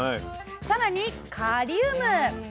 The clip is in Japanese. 更にカリウム。